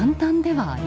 はい。